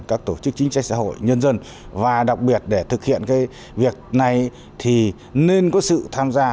các tổ chức chính sách xã hội nhân dân và đặc biệt để thực hiện cái việc này thì nên có sự tham gia